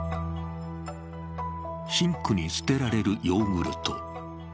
シンクに捨てられるヨーグルト。